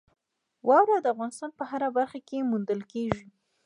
واوره د افغانستان په هره برخه کې موندل کېږي.